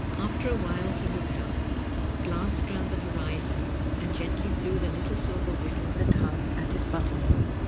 After a while he looked up, glanced round the horizon, and gently blew the little silver whistle that hung at his button hole.